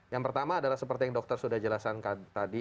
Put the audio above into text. yang pertama adalah seperti yang dokter sudah jelaskan tadi